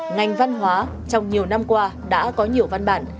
ngành văn hóa trong nhiều năm qua đã có nhiều văn bản